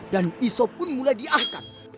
dan isopun mulai diangkat